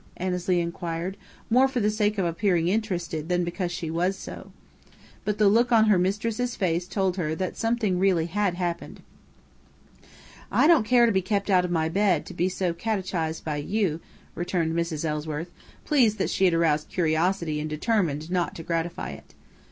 Annesley inquired, more for the sake of appearing interested than because she was so. But the look on her mistress's face told her that something really had happened. "I don't care to be kept out of my bed, to be catechized by you," returned Mrs. Ellsworth, pleased that she had aroused curiosity and determined not to gratify it.